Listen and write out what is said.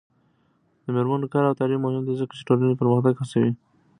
د میرمنو کار او تعلیم مهم دی ځکه چې ټولنې پرمختګ هڅوي.